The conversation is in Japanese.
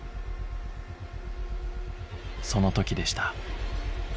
その時でした